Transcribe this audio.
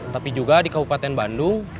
tapi juga di kabupaten bandung